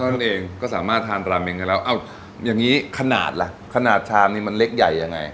นั่นเองก็สามารถทานราเมงกันแล้วเอ้าอย่างนี้ขนาดล่ะขนาดชามนี้มันเล็กใหญ่ยังไง